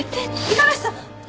五十嵐さん！？